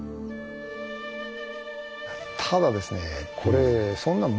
ただですね